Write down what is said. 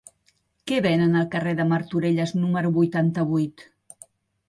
Què venen al carrer de Martorelles número vuitanta-vuit?